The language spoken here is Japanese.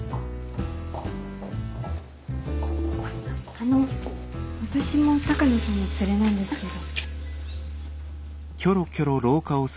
あの私も鷹野さんの連れなんですけど。